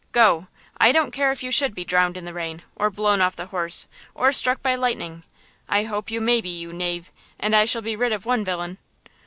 Go! I don't care if you should be drowned in the rain, or blown off the horse, or struck by lightning. I hope you may be, you knave, and I shall be rid of one villain!